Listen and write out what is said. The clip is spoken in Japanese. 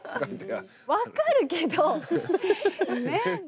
分かるけどね？